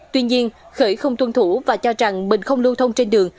tuy nhiên khởi không tuân thủ và cho rằng mình không lưu thông trên đường